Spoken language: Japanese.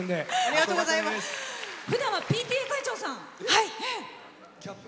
ふだんはＰＴＡ会長さん。